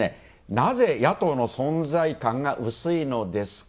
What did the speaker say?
なぜ、野党の存在感が薄いのですか？